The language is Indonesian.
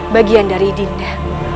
bagian dari dinda